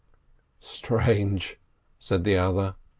"Strange!" said the other.